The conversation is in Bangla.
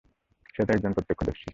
সে একজন প্রত্যক্ষদর্শী।